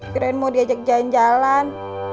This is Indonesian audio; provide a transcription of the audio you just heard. kirain mau diajak jalan jalan